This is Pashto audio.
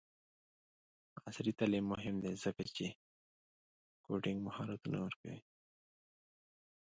عصري تعلیم مهم دی ځکه چې کوډینګ مهارتونه ورکوي.